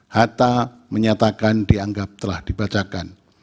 hatta menyatakan dianggap telah dibacakan